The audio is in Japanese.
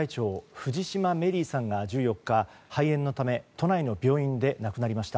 藤島メリーさんが１４日、肺炎のため都内の病院で亡くなりました。